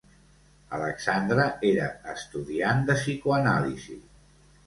Alexandra era estudiant de psicoanàlisi.